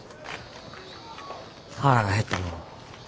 腹が減ったのう。